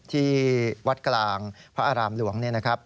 ที่วัดกลางพระอารามหลวง